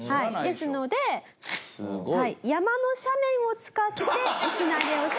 ですので山の斜面を使って石投げをします。